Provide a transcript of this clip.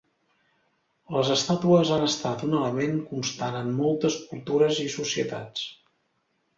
Les estàtues han estat un element constant en moltes cultures i societats.